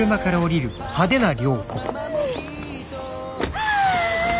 はあ